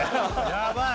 やばい？